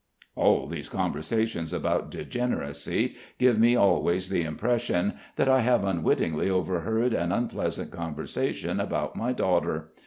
All these conversations about degeneracy give me always the impression that I have unwittingly overheard an unpleasant conversation about my daughter.